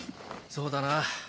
そうだな。